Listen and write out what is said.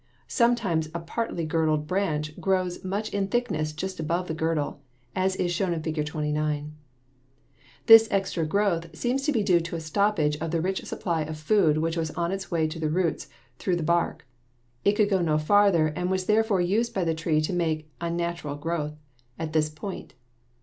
Sometimes a partly girdled branch grows much in thickness just above the girdle, as is shown in Fig. 29. This extra growth seems to be due to a stoppage of the rich supply of food which was on its way to the roots through the bark. It could go no farther and was therefore used by the tree to make an unnatural growth at this point.